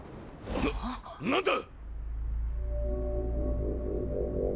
なっ何だ⁉